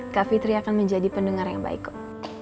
kak fitri akan menjadi pendengar yang baik kok